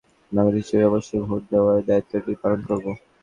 তবে হ্যাঁ, ভারতের দায়িত্বশীল নাগরিক হিসেবে অবশ্যই ভোট দেওয়ার দায়িত্বটি পালন করব।